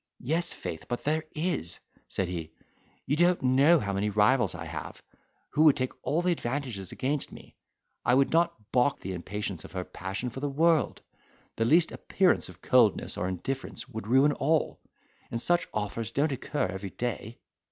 "Yes, faith, but there is," said he; "you don't know how many rivals I have, who would take all advantages against me. I would not balk the impatience of her passion for the world—the least appearance of coldness or indifference would ruin all; and such offers don't occur every day."